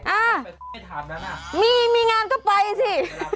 อ่ามีงานก็ไปสิ